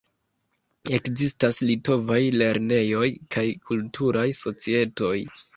Ekzistas litovaj lernejoj kaj kulturaj societoj.